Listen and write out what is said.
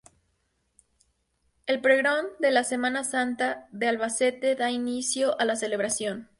El pregón de la Semana Santa de Albacete da inicio a la celebración.